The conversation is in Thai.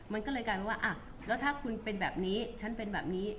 มันก็เลยกลายเป็นว่าแล้วถ้าคุณเป็นแบบนี้ฉันเป็นแบบนี้